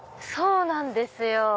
そうなんですよ！